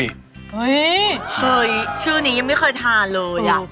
เฮ้ยเฮ้ยชื่อนี้ยังไม่เคยทานเลยอ่ะ